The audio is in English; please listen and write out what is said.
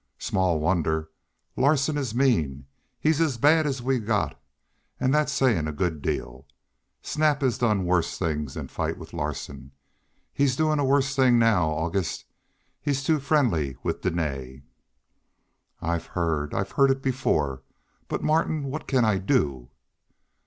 "Small wonder. Larsen is mean; he's as bad as we've got and that's saying a good deal. Snap has done worse things than fight with Larsen. He's doing a worse thing now, August he's too friendly with Dene." "I've heard I've heard it before. But, Martin, what can I do?"